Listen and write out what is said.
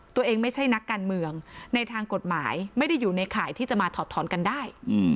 ตัวเองไม่ใช่นักการเมืองในทางกฎหมายไม่ได้อยู่ในข่ายที่จะมาถอดถอนกันได้